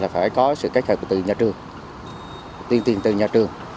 là phải có sự kết hợp từ nhà trường tuyên tiên từ nhà trường